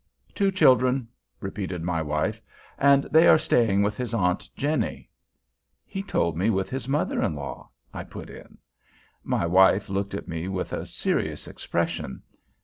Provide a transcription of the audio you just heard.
"Two children," repeated my wife; "and they are staying with his aunt Jenny." "He told me with his mother in law," I put in. My wife looked at me with a serious expression.